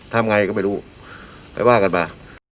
ทำไงก็ไม่รู้ไปว่ากันมา